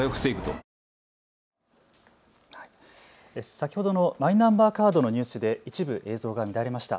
先ほどのマイナンバーカードのニュースで一部映像が乱れました。